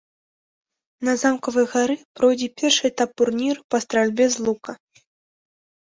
На замкавай гары пройдзе першы этап турніру па стральбе з лука.